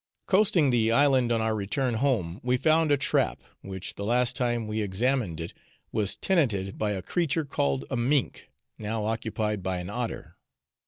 Coasting the island on our return home we found a trap, which the last time we examined it was tenanted by a creature called a mink, now occupied by an otter.